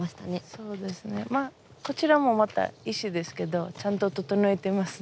そうですねまあこちらもまた石ですけどちゃんと整えてますね。